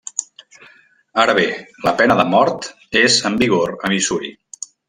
Ara bé, la pena de mort és en vigor a Missouri.